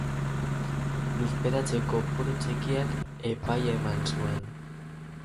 Lurperatze kopuru txikiak epaia eman zuen.